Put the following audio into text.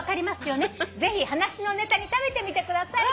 「ぜひ話のネタに食べてみてください」